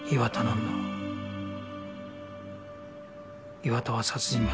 岩田は殺人犯